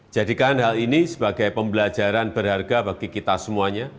jadikan hal ini sebagai pembelajaran berharga bagi kita semuanya